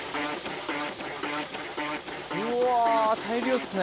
うわ大量ですね。